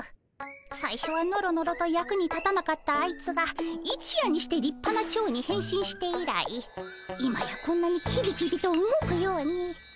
さいしょはノロノロと役に立たなかったあいつが一夜にしてりっぱなチョウに変身して以来今やこんなにキビキビと動くように。